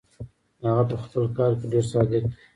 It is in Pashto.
هغه پهخپل کار کې ډېر صادق دی.